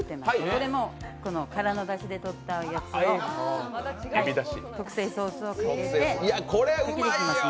これも殻のだしでとったやつを、特製ソースをかけていきます。